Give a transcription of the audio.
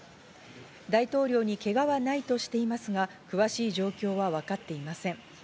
大統領にけがはないとしていますが、詳しい状況は分かっていません。